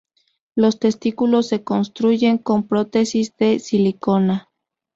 Los testículos se construyen con prótesis de silicona.